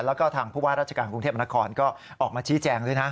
แล้วก็ทางผู้ว่าราชการกรุงเทพมนครก็ออกมาชี้แจงด้วยนะ